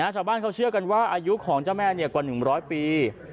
ชาวบ้านเขาเชื่อกันว่าอายุของเจ้าแม่กว่า๑๐๐ปี